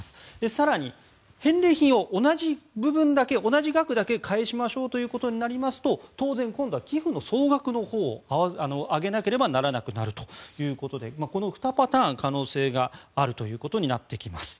更に、返礼品を同じ額だけ返しましょうということになりますと当然、今度は寄付の総額のほうを上げなければならなくなるということでこの２パターン、可能性があるということになってきます。